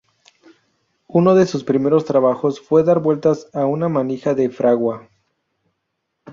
Uno de sus primeros trabajos fue dar vueltas a una manija de fragua.